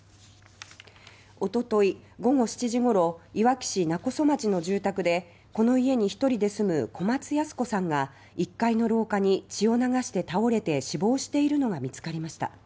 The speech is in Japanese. おととい午後７時ごろいわき市勿来町の住宅でこの家に１人で住む小松ヤス子さんが１階の廊下に血を流して倒れて死亡しているのが見つかりました。